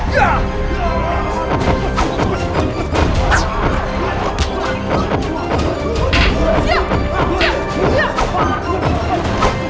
hai siapa disitu tunjukkan dirimu